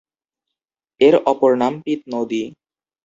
এর অপর নাম পীত নদী।